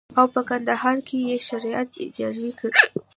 او په کندهار کښې يې شريعت جاري کړى.